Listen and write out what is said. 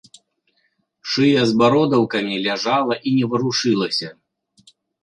Шыя з бародаўкамі ляжала і не варушылася.